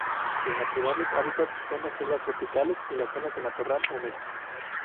Sus naturales hábitats son las selvas tropicales y las zonas de matorral húmedos.